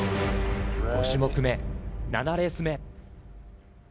５種目め、７レース目。